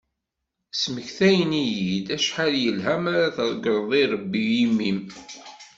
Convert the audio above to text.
Smektayen-iyi-d acḥal yelha mi ara tegreḍ irebbi i mmi-m.